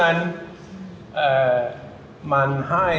เดี๋ยวกว่านะ